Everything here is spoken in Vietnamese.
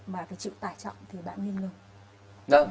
mà phải chịu tải trọng thì bạn nghiêm ngược